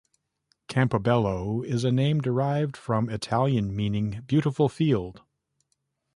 Campobello is a name derived from Italian meaning "beautiful field".